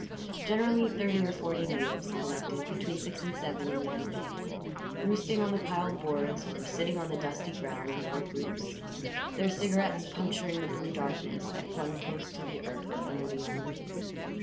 Generally thirty or forty natives collected between six and seven in the evening, roosting on the piled boards or sitting on the dusty ground in little groups, their cigarettes puncturing the blue darkness that clung close to the earth under the young moon.